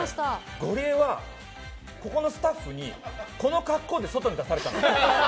ゴリエはここのスタッフにこの格好で外に出されたの。